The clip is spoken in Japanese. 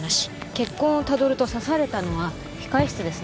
血痕をたどると刺されたのは控室ですね。